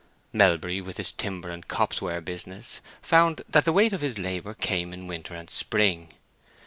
Melbury, with his timber and copse ware business, found that the weight of his labor came in winter and spring.